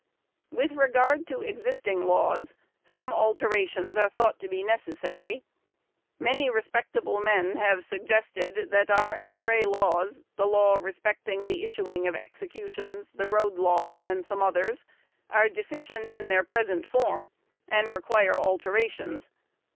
With regard to existing laws, some alterations are thought to be necessary. Many respectable men have suggested that our estray laws the law respecting the issuing of executions, the road law, and some others are deficient in their present form, and require alterations.